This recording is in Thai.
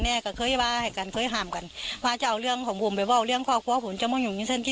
เธอก็อย่างไหนที่ทางทางเห็นงามเขาดีกว่าได้อีก